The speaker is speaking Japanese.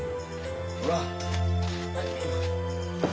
ほら。